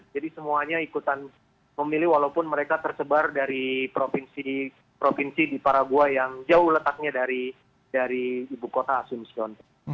jadi semuanya ikutan memilih walaupun mereka tersebar dari provinsi provinsi di paraguay yang jauh letaknya dari ibu kota asuncion